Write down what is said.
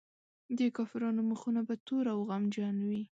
د کافرانو مخونه به تور او غمجن وي.